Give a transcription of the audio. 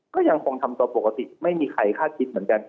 ก็ยังคงทำตัวปกติไม่มีใครคาดคิดเหมือนกัน